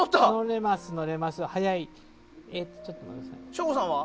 省吾さんは？